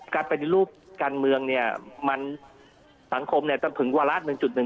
การปฏิรูปการเมืองเนี่ยมันสังคมเนี่ยต้องถึงวาระหนึ่งจุดหนึ่ง